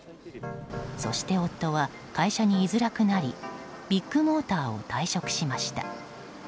そして夫は会社にいづらくなりビッグモーターを退職しました。